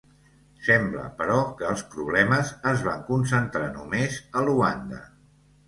Sembla, però, què els problemes es van concentrar només a Luanda.